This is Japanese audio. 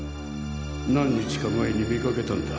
何日か前に見かけたんだ。